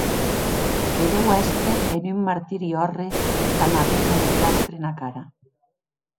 Que deu èster en un martiri òrre damb aguest emplastre ena cara.